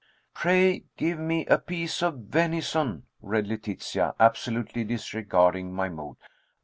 "'Pray, give me a piece of venison,'" read Letitia, absolutely disregarding my mood.